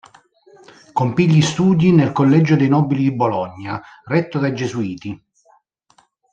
Compì gli studi nel Collegio dei nobili di Bologna, retto dai gesuiti.